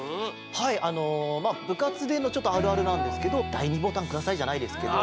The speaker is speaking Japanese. はいあのまあぶかつでのちょっとあるあるなんですけど「だい２ボタンください」じゃないですけど。